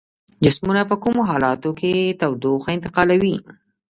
جسمونه په کومو حالتونو کې تودوخه انتقالوي؟